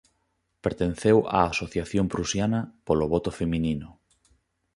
Pertenceu á "Asociación Prusiana polo voto feminino".